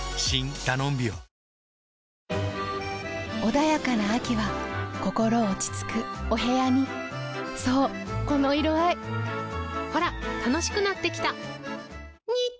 穏やかな秋は心落ち着くお部屋にそうこの色合いほら楽しくなってきた！